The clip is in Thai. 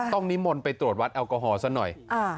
นิมนต์ไปตรวจวัดแอลกอฮอล์ซะหน่อย